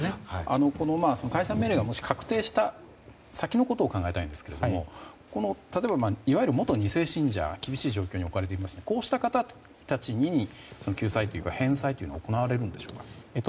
解散命令が確定した先のことを考えたいんですがいわゆる元２世信者厳しい状況に置かれていますがこうした方たちに救済というか返済は行われるんでしょうか。